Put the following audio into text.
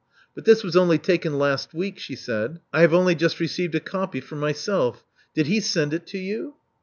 But this was only taken last week," she said. I have only just received a copy for myself. Did he send it to you?"